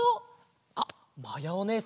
あっまやおねえさん